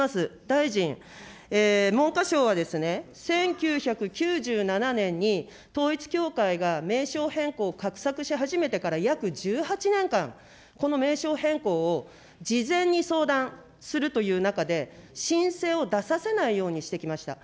大臣、文科省はですね、１９９７年に統一教会が名称変更を画策し始めてから約１８年間、この名称変更を事前に相談するという中で、申請を出させないようにしてきました。